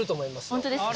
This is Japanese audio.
本当ですか。